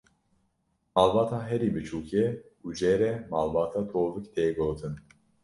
Malbata herî biçûk e, û jê re malbata tovik tê gotin.